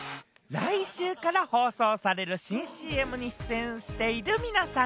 来週から放送される新ＣＭに出演している皆さん。